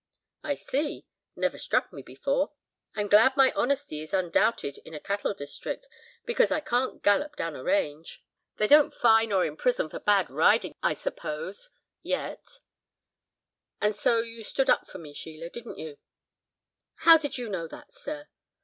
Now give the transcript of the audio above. "I see—never struck me before. I'm glad my honesty is undoubted in a cattle district, because I can't gallop down a range. They don't fine or imprison for bad riding, I suppose—yet. And so you stood up for me, Sheila, didn't you?" "How did you know that, sir?"